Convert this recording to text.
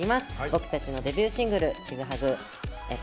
僕たちのデビューシングル「チグハグ」。